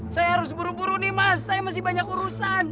saya harus buru buru nih mas saya masih banyak urusan